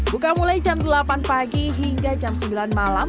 buka mulai jam delapan pagi hingga jam sembilan malam